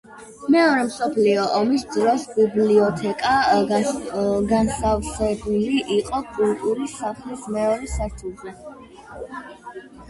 მეორე მსოფლიო ომის დროს ბიბლიოთეკა განთავსებული იყო კულტურის სახლის მეორე სართულზე.